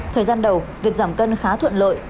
thời gian đầu việc giảm cân khá thuận lợi